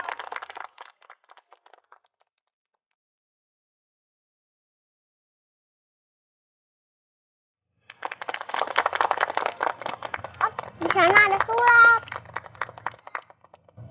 oh di sana ada suap